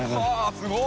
すごい。